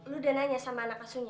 lo udah nanya sama anak asunya